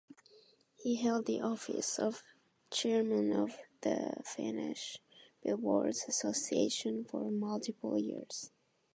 He held the office of Chairman of the Finnish billiards association for multiple years.